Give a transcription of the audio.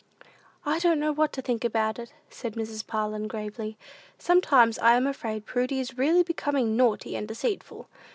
"I don't know what to think about it," said Mrs. Parlin, gravely. "Sometimes I am afraid Prudy is really becoming naughty and deceitful.